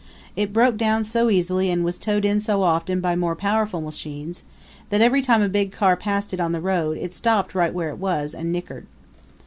It broke down so easily and was towed in so often by more powerful machines that every time a big car passed it on the road it stopped right where it was and nickered.